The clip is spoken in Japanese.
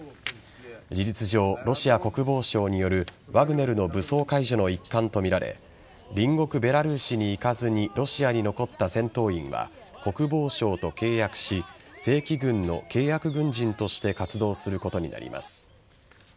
事実上、ロシア国防省によるワグネルの武装解除の一環とみられ隣国・ベラルーシに行かずにロシアに残った戦闘員は国防省と契約し正規軍の契約軍人として活動することになります。